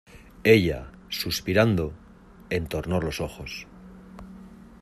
ella, suspirando , entornó los ojos